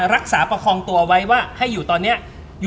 รักษาประคองตัวไว้ว่าให้อยู่ตอนนี้